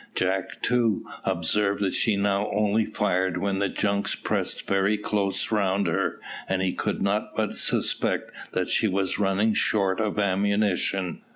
Jack, too, observed that she now only fired when the junks pressed very close round her, and he could not but suspect that she was running short of ammunition.